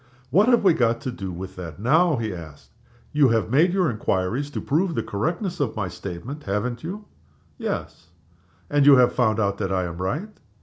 "What have we got to do with that now?" he asked. "You have made your inquiries to prove the correctness of my statement haven't you?" "Yes." "And you have found out that I am right?"